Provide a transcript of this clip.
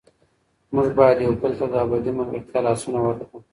موږ باید یو بل ته د ابدي ملګرتیا لاسونه ورکړو.